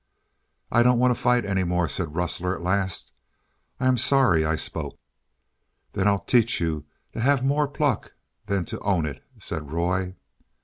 "I don't want to fight any more," said Rustler at last; "I am sorry I spoke." "Then I'll teach you to have more pluck than to own it," said Roy.